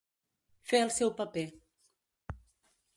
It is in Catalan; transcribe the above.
Fer el seu paper.